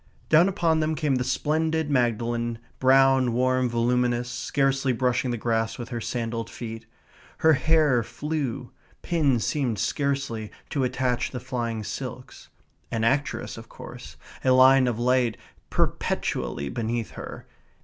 Down upon them came the splendid Magdalen, brown, warm, voluminous, scarcely brushing the grass with her sandalled feet. Her hair flew; pins seemed scarcely to attach the flying silks. An actress of course, a line of light perpetually beneath her.